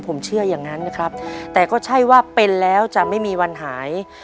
ผมเชื่ออย่างนั้นนะครับแต่ก็ใช่ว่าเป็นแล้วจะไม่มีวันหาย